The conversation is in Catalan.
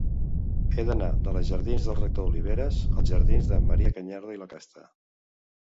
He d'anar de la jardins del Rector Oliveras als jardins de Marià Cañardo i Lacasta.